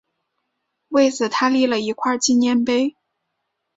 为此他立了一块纪念碑。